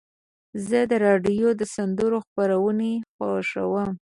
زه د راډیو د سندرو خپرونې خوښوم.